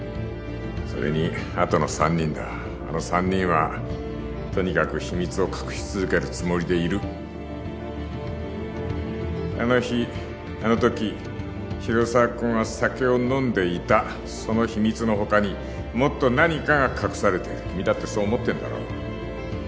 それにあとの３人だあの３人はとにかく秘密を隠し続けるつもりでいるあの日あのとき広沢君は酒を飲んでいたその秘密の他にもっと何かが隠されてる君だってそう思ってんだろ？